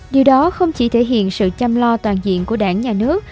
điều đó không chỉ thể hiện sự chăm lo toàn diện của đảng nhà nước